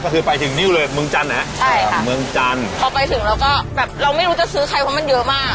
พอไปถึงเราก็แบบเราไม่รู้จะซื้อใครเพราะมันเยอะมาก